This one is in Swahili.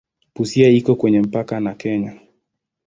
Busia iko kwenye mpaka na Kenya.